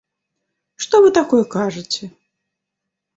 Што вы такое кажаце?!